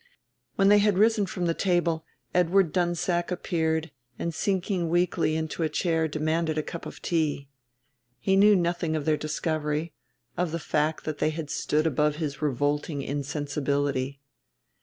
When they had risen from the table, Edward Dunsack appeared and sinking weakly into a chair demanded a cup of tea. He knew nothing of their discovery, of the fact that they had stood above his revolting insensibility.